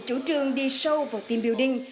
chủ trương đi show vào team building